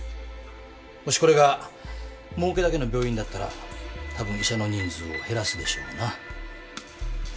もしこれがもうけだけの病院ならたぶん医者の人数を減らすでしょうな